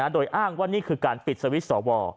โดยอ้างว่านี่คือการปิดสวิตช์สว